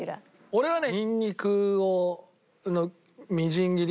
俺はね。